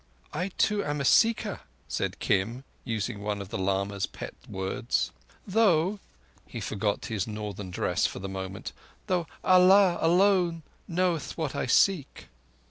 "I too am a Seeker," said Kim, using one of the lama's pet words. "Though"—he forgot his Northern dress for the moment—"though Allah alone knoweth what I seek."